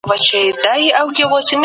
د کورنۍ ټولنپوهنه د کورني ژوند بحث کوي.